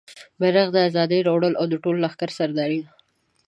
بیرغ د ازادۍ راوړه د ټول لښکر سردارې